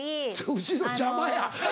後ろ邪魔や。